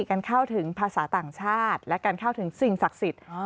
การเข้าถึงภาษาต่างชาติและการเข้าถึงสิ่งศักดิ์สิทธิ์